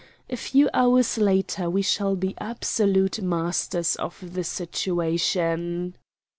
A few hours later we shall be absolute masters of the situation."